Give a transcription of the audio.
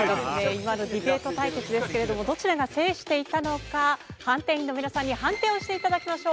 今のディベート対決ですけれどもどちらが制していたのか判定員の皆さんに判定をして頂きましょう。